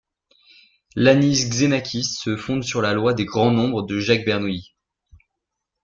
Iannis Xenakis se fonde sur la loi des grands nombres de Jacques Bernoulli.